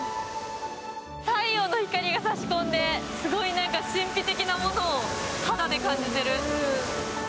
太陽の光が差し込んで、すごい神秘的なものを肌で感じてる。